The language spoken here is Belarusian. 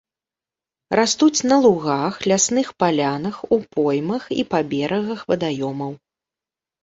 Растуць на лугах, лясных палянах, у поймах і па берагах вадаёмаў.